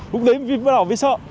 lúc đấy mình bắt đầu bị sợ